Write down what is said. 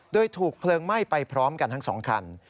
โดยถูกเพลิงไหม้ไปพร้อมกันทั้ง๒คัน